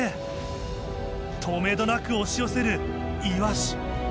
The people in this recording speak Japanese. とめどなく押し寄せるイワシイワシイワシ！